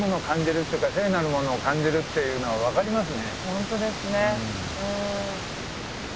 本当ですね。